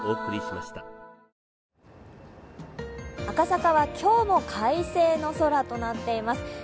赤坂は今日も快晴の空となっています。